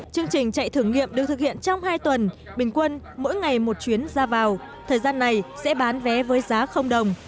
chương trình chạy thử nghiệm được thực hiện trong hai tuần bình quân mỗi ngày một chuyến ra vào thời gian này sẽ bán vé với giá đồng